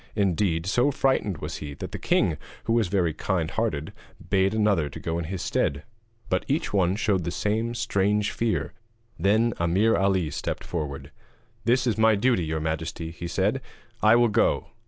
Indeed, so frightened was he, that the king, who was very kind hearted, bade another to go in his stead, but each one showed the same strange fear. Then Ameer Ali stepped forward: 'This is my duty, your majesty,' he said, 'I will go.'